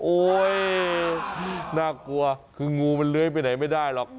โอ๊ยน่ากลัวคืองูมันเลื้อยไปไหนไม่ได้หรอก